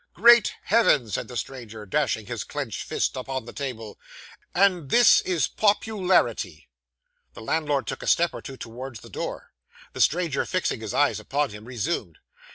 'Great Heaven!' said the stranger, dashing his clenched fist upon the table. 'And this is popularity!' The landlord took a step or two towards the door; the stranger fixing his eyes upon him, resumed.